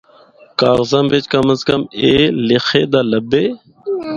کاغذاں بچ کم از کم ایہہ لخے دا لبھے۔